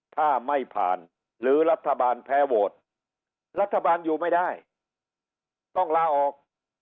ถ้าไม่ผ่านหรือรัฐบาลแพ้โหวตรัฐบาลอยู่ไม่ได้ต้องลาออก